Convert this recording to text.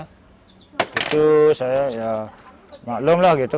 gitu saya ya maklumlah gitu